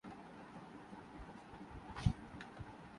یہاں کے جنت نظیر نظارے سیاح کو ساری زندگی یاد رہتے ہیں